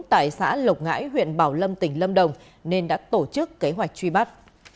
tại xã lộc ngãi huyện bảo lâm tỉnh lâm đồng nên đã tổ chức kế hoạch truy bắt